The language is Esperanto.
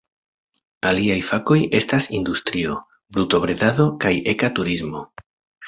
Aliaj fakoj estas industrio, brutobredado kaj eka turismo.